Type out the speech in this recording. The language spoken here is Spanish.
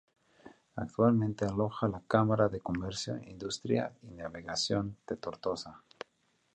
Actualmente aloja la Cámara de Comercio, Industria y Navegación de Tortosa.